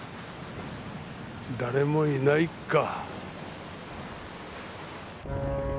誰もいないか。